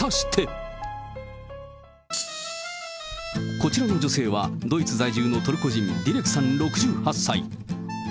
こちらの女性はドイツ在住のトルコ人、ディレクさん６８歳。